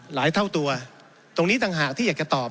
เท่าตัวตรงนี้ต่างหากที่อยากจะตอบ